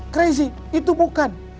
crazy itu bukan